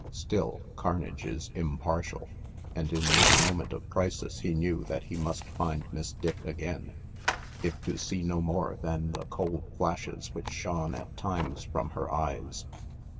Still, carnage is impartial. And in this moment of crisis he knew that he must find Miss Dick again, if to see no more than the cold flashes which shone at times from her eyes.